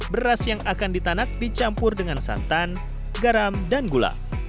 beras yang akan ditanak dicampur dengan santan garam dan gula